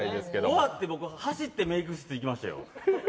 終わって僕走ってメーク室行きましたよ。